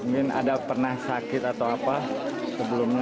mungkin ada pernah sakit atau apa sebelumnya